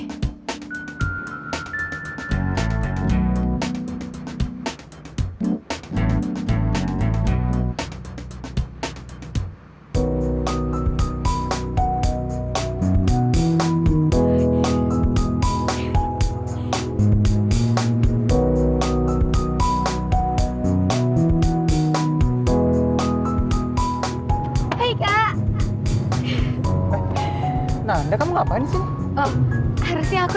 hai hai hai hai kak nanda kamu ngapain sih harusnya aku